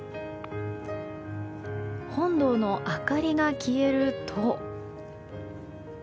本堂の明かりが消えると。